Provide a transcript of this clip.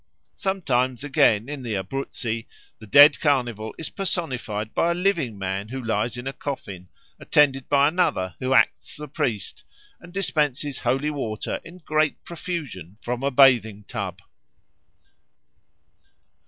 Sometimes, again, in the Abruzzi the dead Carnival is personified by a living man who lies in a coffin, attended by another who acts the priest and dispenses holy water in great profusion from a bathing tub.